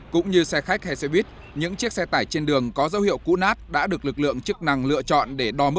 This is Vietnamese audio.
cũng như xe khách hay xe buýt những chiếc xe tải trên đường có dấu hiệu cú nát đã được lực lượng chức năng lựa chọn